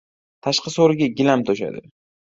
Tashqi so‘riga gilam to‘shadi.